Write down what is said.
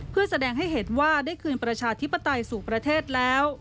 เพื่อแสดงให้เห็นว่าได้คืนประชาธิปไตยสู่ประเทศแล้ว